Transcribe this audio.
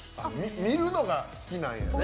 見るのが好きなんやね。